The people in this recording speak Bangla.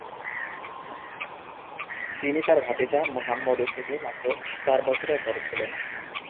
তিনি তার ভাতিজা মুহাম্মদ থেকে মাত্র চার বছরের বড় ছিলেন।